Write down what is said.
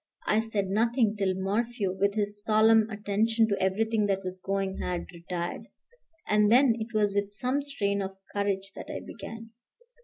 I said nothing till Morphew, with his solemn attention to everything that was going, had retired; and then it was with some strain of courage that I began.